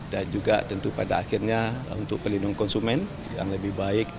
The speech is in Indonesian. dan juga tentu pada akhirnya untuk perlindungan konsumen yang lebih baik